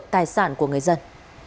tài sản của người dân